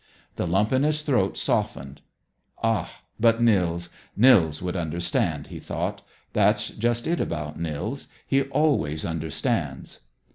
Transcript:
The lump in his throat softened. "Ah, but Nils, Nils would understand!" he thought. "That's just it about Nils; he always understands."